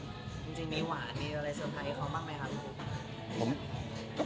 จริงมีหวานมีอะไรสุดท้ายของเขามากมั้ยครับ